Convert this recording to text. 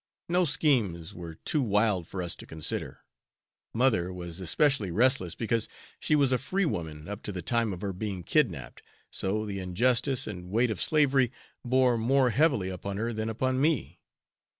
No schemes were too wild for us to consider! Mother was especially restless, because she was a free woman up to the time of her being kidnapped, so the injustice and weight of slavery bore more heavily upon her than upon me.